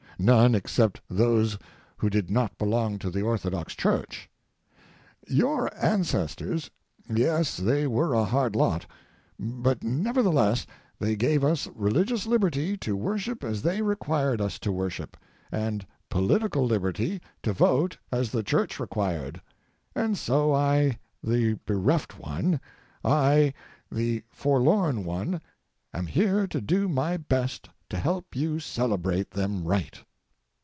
—none except those who did not belong to the orthodox church. Your ancestors—yes, they were a hard lot; but, nevertheless, they gave us religious liberty to worship as they required us to worship, and political liberty to vote as the church required; and so I the bereft one, I the forlorn one, am here to do my best to help you celebrate them right.